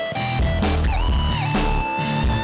terima kasih pak